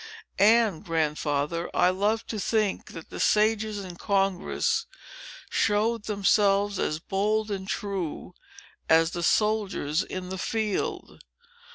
"And, Grandfather, I love to think that the sages in Congress showed themselves as bold and true as the soldiers in the field.